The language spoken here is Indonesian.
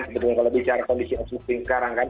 sebetulnya kalau bicara kondisi oxforting sekarang kan